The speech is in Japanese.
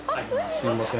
すみません。